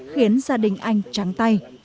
khiến gia đình anh trắng tay